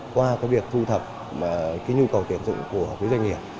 qua cái việc thu thập cái nhu cầu tuyển dụng của doanh nghiệp